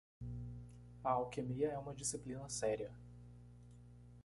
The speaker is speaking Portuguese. A alquimia é uma disciplina séria.